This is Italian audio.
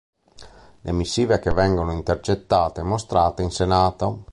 Le missive che vengono intercettate e mostrate in Senato.